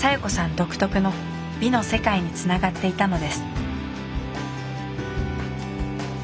独特の美の世界につながっていたのです